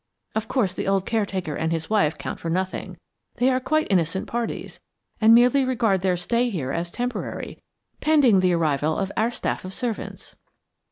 Of course, the old caretaker and his wife count for nothing; they are quite innocent parties, and merely regard their stay here as temporary, pending the arrival of our staff of servants."